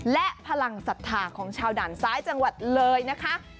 และพลังศรัทธาของชาวด่านซ้ายจังหวัดเลยนะคะ